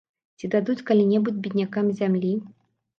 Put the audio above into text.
Ці дадуць калі-небудзь беднякам зямлі?